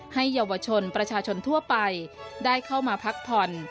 ให้เยาวชนประชาชนทั่วไปได้เข้ามาพักผ่อน